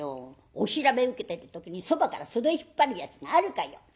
お調べ受けてる時にそばから袖引っ張るやつがあるかよ」。